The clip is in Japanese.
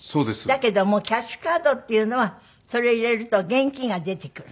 だけどもキャッシュカードっていうのはそれ入れると現金が出てくる。